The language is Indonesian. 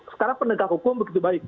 sekarang penegak hukum begitu baik